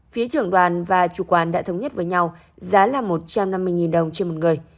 phía trưởng đoàn và chủ quản đã thống nhất với nhau giá là một trăm năm mươi đồng trên một người